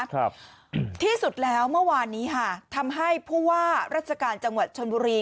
ครับที่สุดแล้วเมื่อวานนี้ค่ะทำให้ผู้ว่าราชการจังหวัดชนบุรี